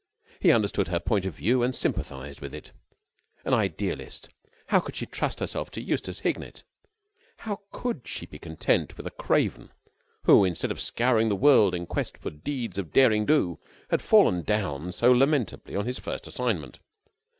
He understood her point of view and sympathised with it. An idealist, how could she trust herself to Eustace Hignett? How could she be content with a craven who, instead of scouring the world in the quest for deeds of daring do, had fallen down so lamentably on his first assignment?